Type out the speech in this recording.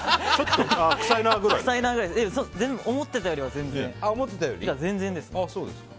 でも、思ってたよりは全然です。